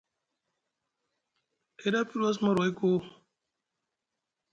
Eda fiɗi was marway koo.